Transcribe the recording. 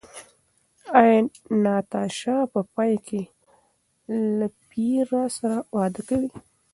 ایا ناتاشا په پای کې له پییر سره واده کوي؟